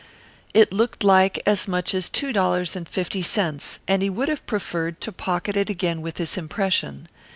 It looked like as much as two dollars and fifty cents, and he would have preferred to pocket it again with this impression.